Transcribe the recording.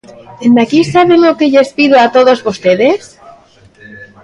Dende aquí ¿saben o que lles pido a todos vostedes?